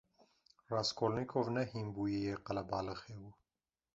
Raskolnîkov ne hînbûyiyê qelebalixê bû.